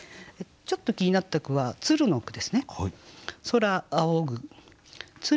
ちょっと気になった句は「鶴」の句ですね。